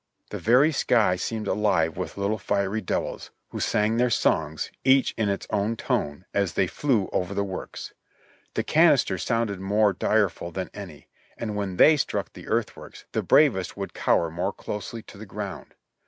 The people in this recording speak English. The very sky seemed alive with little fiery devils, who sang their songs, each in its own tone, as they flew over the works. The canister sounded more direful than any; and when they struck the earthworks the bravest would cower more closely to the ground.